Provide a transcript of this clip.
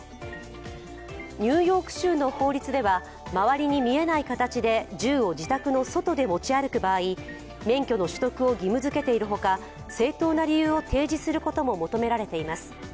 ニューヨーク州の法律では周りに見えない形で銃を自宅の外で持ち歩く場合、免許の取得を義務づけているほか、正当な理由を提示することも求められています。